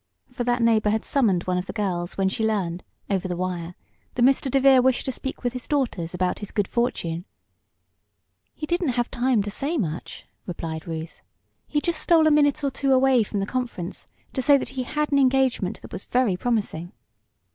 For that neighbor had summoned one of the girls when she learned, over the wire, that Mr. DeVere wished to speak with his daughters about his good fortune. "He didn't have time to say much," replied Ruth. "He just stole a minute or two away from the conference to say that he had an engagement that was very promising."